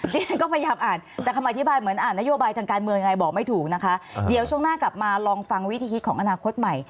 เรียนก็พยายามอ่านแต่คำอธิบายเหมือนอ่านนโยบายทางการเมืองยังไงบอกไม่ถูกนะคะเดี๋ยวช่วงหน้ากลับมาลองฟังวิธีคิดของอนาคตใหม่